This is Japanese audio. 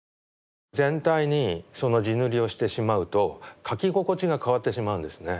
全体にその地塗りをしてしまうと描き心地が変わってしまうんですね。